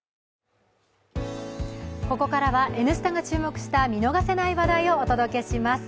ここからは「Ｎスタ」が注目した見逃せない話題をお届けします。